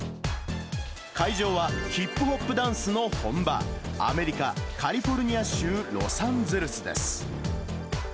会場は、ヒップホップダンスの本場、アメリカ・カリフォルニア州ロサンゼルスです。